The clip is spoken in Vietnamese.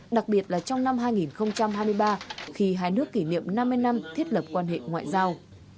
đặc biệt là trong năm hai nghìn hai mươi ba khi hai nước kỷ niệm năm mươi năm thiết lập quan hệ ngoại giao